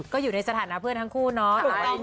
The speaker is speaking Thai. ก็อยู่ในสถานะเพื่อนทั้งคู่เนาะ